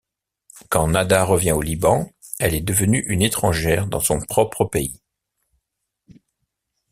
Quand Nada revient au Liban, elle est devenue une étrangère dans son propre pays.